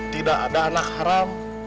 tidak ada anak haram